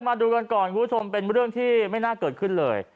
มาดูกันก่อนคุณผู้ชมเป็นเรื่องที่ไม่น่าเกิดขึ้นเลย